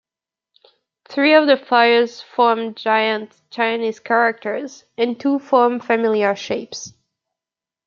Three of the fires form giant Chinese characters, and two form familiar shapes.